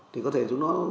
thì có thể chúng nó